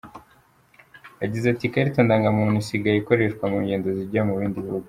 Yagize ati “Ikarita ndangamuntu isigaye ikoreshwa mu ngendo zijya mu bindi bihugu.